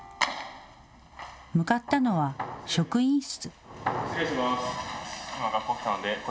向かったのは職員室。